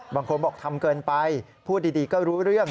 บางคนบอกทำเกินไปพูดดีก็รู้เรื่อง